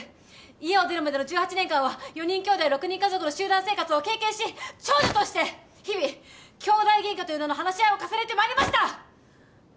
家を出るまでの１８年間は４人姉弟６人家族の集団生活を経験し長女として日々姉弟げんかという名の話し合いを重ねてまいりました！